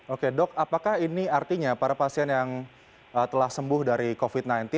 oke dok apakah ini artinya para pasien yang telah sembuh dari covid sembilan belas